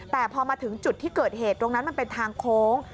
แต่พอมาถึงจุดที่เกิดเหตุตรงนั้นมันเป็นทางโค้ง